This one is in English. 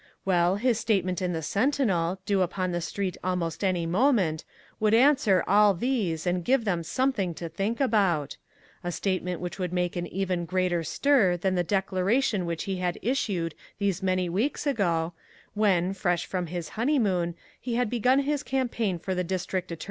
Well, his statement in the Sentinel, due upon the street almost any moment, would answer all these and give them something to think about! a statement which would make an even greater stir than the declaration which he had issued those many weeks ago, when, fresh from his honeymoon, he had begun his campaign for the district attorneyship.